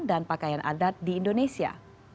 pakaian adat di indonesia